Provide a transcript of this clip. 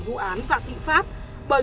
vụ án vạn thịnh pháp bởi